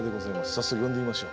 早速呼んでみましょう。